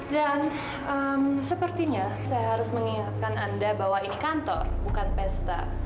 dan eem sepertinya saya harus mengingatkan anda bahwa ini kantor bukan pesta